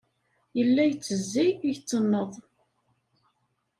Yella yettezzi, yettenneḍ.